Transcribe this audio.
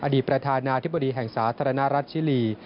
ประธานาธิบดีแห่งสาธารณรัฐชิลี